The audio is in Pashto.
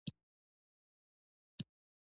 د غوا شیدې د ماشومانو لپاره اړینې دي.